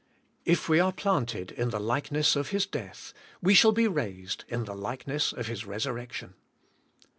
" If we are planted in the likeness of His death, we shall be raised in the likeness of His resurrection.'